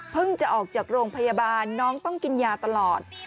จะออกจากโรงพยาบาลน้องต้องกินยาตลอด